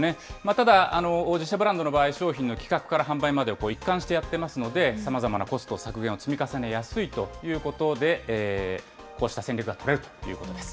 ただ、自社ブランドの場合、商品の企画から販売までを一貫してやっていますので、さまざまなコスト削減を積み重ねやすいということで、こうした戦略が取れるということです。